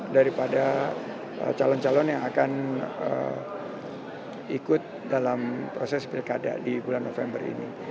daripada calon calon yang akan ikut dalam proses pilkada di bulan november ini